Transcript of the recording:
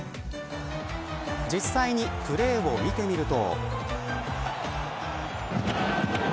実際にプレーを見てみると。